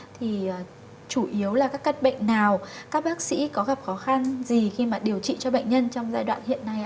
thì chủ yếu là các căn bệnh nào các bác sĩ có gặp khó khăn gì khi mà điều trị cho bệnh nhân trong giai đoạn hiện nay ạ